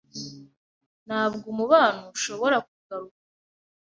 Ntabwo umubano ushobora kugaruka